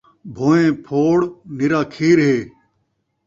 بھوئیں پھوڑ نرا کھیر ہے